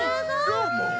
どーも！